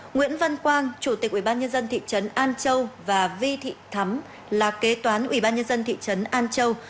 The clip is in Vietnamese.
nguyễn văn quang chủ tịch ủy ban nhân dân thị trấn an châu và vi thị thắm là kế toán ủy ban nhân dân thị trấn an châu